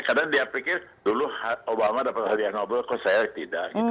kadang dia pikir dulu obama dapat hadiah ngobrol kok saya tidak